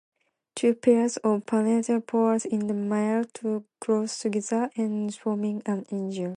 Two pairs of preanal pores in the male, close together, and forming an angle.